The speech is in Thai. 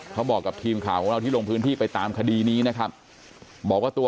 เขาบอกกับทีมข่าวของเราที่ลงพื้นที่ไปตามคดีนี้นะครับบอกว่าตัว